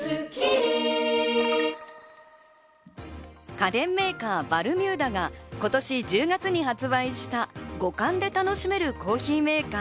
家電メーカー、バルミューダが今年１０月に発売した五感で楽しめるコーヒーメーカー。